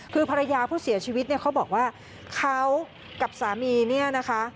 คือภรรยาผู้เสียชีวิตเนี่ยเขาบอกว่าเขากับสามีเนี่ยนะคะ